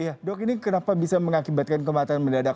iya dok ini kenapa bisa mengakibatkan kematian mendadak